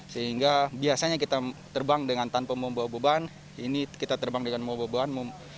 sehingga biasanya kita terbang dengan tanpa membawa beban ini kita terbang dengan membawa beban